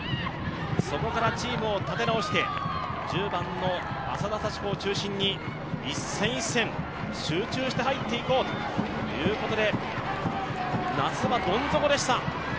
そこからチームを立て直して、１０番の浅田幸子を中心に一戦一戦集中して入っていこうということで夏はどん底でした。